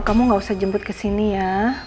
kamu gak usah jemput kesini ya